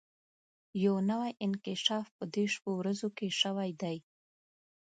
يو نوی انکشاف په دې شپو ورځو کې شوی دی.